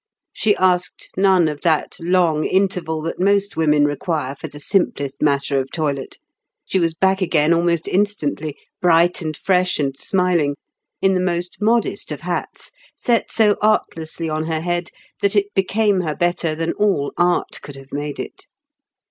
She asked none of that long interval that most women require for the simplest matter of toilet. She was back again almost instantly, bright and fresh and smiling, in the most modest of hats, set so artlessly on her head that it became her better than all art could have made it.